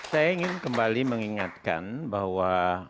saya ingin kembali mengingatkan bahwa